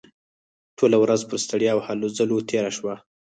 ټوله ورځ پر ستړیا او هلو ځلو تېره شوه